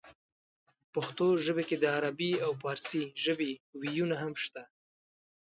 پښتو ژبې کې د عربۍ او پارسۍ ژبې وييونه هم شته دي